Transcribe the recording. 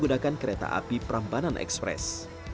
di kota api prambanan express